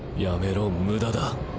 やめろ無駄だ。